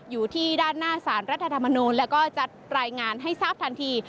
อยู่ที่ด้านหน้าสารรัฐธรรมนูลแล้วก็จัดรายงานให้ทราบทันที